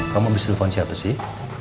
kamu abis telfon siapa sih